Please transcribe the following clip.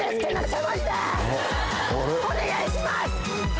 お願いします！